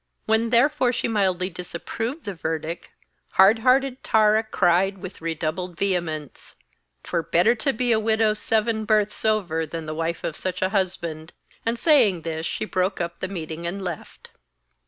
When, therefore, she mildly disapproved the verdict, hard hearted Tara cried with redoubled vehemence: ''Twere better to be a widow seven births over than the wife of such a husband,' and saying this she broke up the meeting and left.